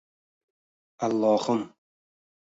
Allohim